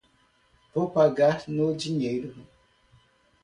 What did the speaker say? Vou pagar no dinheiro.